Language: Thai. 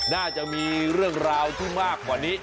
น่าจะมีเรื่องราวที่มากกว่านี้